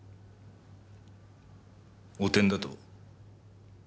汚点だと？